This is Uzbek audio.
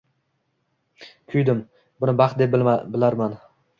Kuydim, buni baxt deb bilarman.